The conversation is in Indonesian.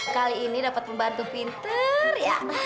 kali ini dapat membantu pinter ya